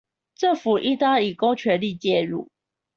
政府應當以公權力介入